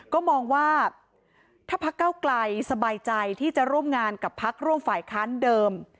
ก็มองว่าถ้าพักเก้าไกลสบายใจที่จะร่วมงานกับพักร่วมฝ่ายค้านเดิม